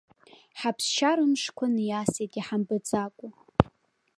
Ҳаԥсшьара мшқәа ниасит иҳамбаӡакәа.